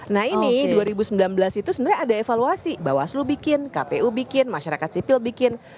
nah ini dua ribu sembilan belas itu sebenarnya ada evaluasi bawaslu bikin kpu bikin masyarakat sipil bikin